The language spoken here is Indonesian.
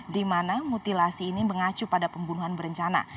dimana mutilasi ini mengacu pada pembunuhan berencana